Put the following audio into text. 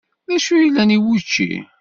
D acu yellan i wučči?